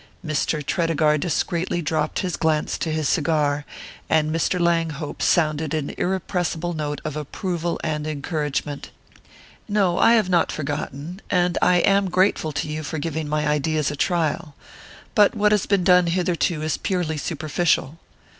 Mr. Tredegar discreetly dropped his glance to his cigar, and Mr. Langhope sounded an irrepressible note of approval and encouragement. Amherst smiled. "No, I have not forgotten; and I am grateful to you for giving my ideas a trial. But what has been done hitherto is purely superficial."